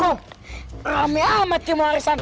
kong ramai amat yang mau larisan